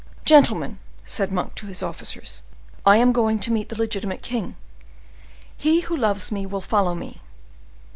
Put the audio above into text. "Gentlemen," said Monk to his officers, "I am going to meet the legitimate king. He who loves me will follow me."